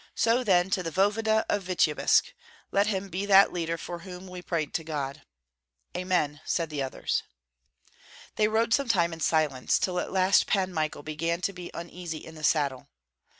"So then to the voevoda of Vityebsk! Let him be that leader for whom we prayed to God." "Amen!" said the others. They rode some time in silence, till at last Pan Michael began to be uneasy in the saddle.